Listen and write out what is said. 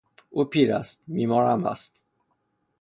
او پیر است; بیمار هم هست.